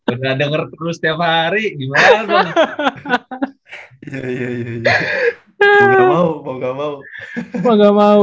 udah ada ngerti lu setiap hari gimana lu